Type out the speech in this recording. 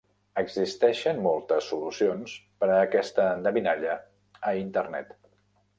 Existeixen moltes solucions per a aquesta endevinalla a Internet.